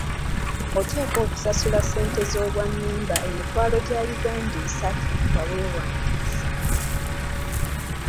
Oteekwa okusasula ssente z'obwa mmemba emitwala gya Uganda esatu nga weewandiisa.